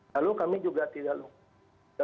lalu kami juga tidak lupa